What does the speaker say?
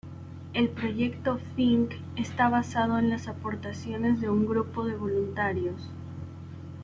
El proyecto Fink está basado en las aportaciones de un grupo de voluntarios.